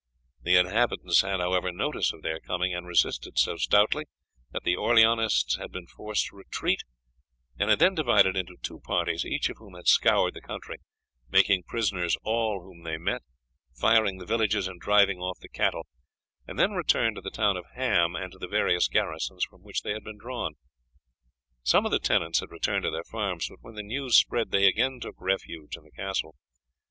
The inhabitants had, however, notice of their coming, and resisted so stoutly that the Orleanists had been forced to retreat, and had then divided into two parties, each of whom had scoured the country, making prisoners all whom they met, firing the villages and driving off the cattle, and then returned to the town of Ham and to the various garrisons from which they had been drawn. Some of the tenants had returned to their farms, but when the news spread they again took refuge in the castle.